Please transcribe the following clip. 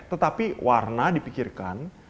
tetapi warna dipikirkan